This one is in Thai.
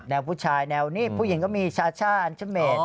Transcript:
แนวผู้ชายแนวนี้ผู้หญิงก็มีชาช่าอันชะเมฆ